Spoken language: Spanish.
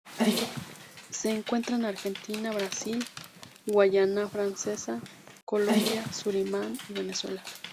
Se encuentra en Argentina, Brasil, Guayana Francesa, Colombia, Surinam y Venezuela.